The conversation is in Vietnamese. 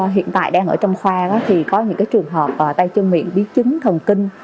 hiện tại đang ở trong khoa thì có những trường hợp tay chân miệng biến chứng thần kinh